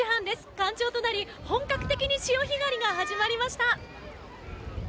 干潮となり本格的に潮干狩りが始まりました。